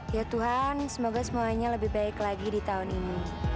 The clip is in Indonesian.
ya tuhan semoga semuanya lebih baik lagi di tahun ini